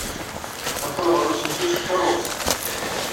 Neqqel ɣer usensu s tkeṛṛust.